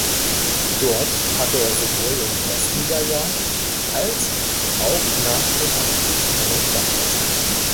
Dort hatte er sowohl im Erstliga-Jahr, als auch nach dem Abstieg einen Stammplatz.